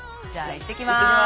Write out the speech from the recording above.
行ってきます。